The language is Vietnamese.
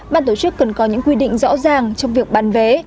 ban tổ chức cần có những quy định rõ ràng trong việc bán vé